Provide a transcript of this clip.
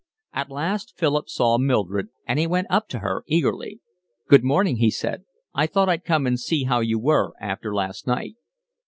At last Philip saw Mildred, and he went up to her eagerly. "Good morning," he said. "I thought I'd come and see how you were after last night."